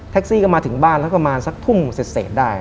ซี่ก็มาถึงบ้านแล้วประมาณสักทุ่มเสร็จได้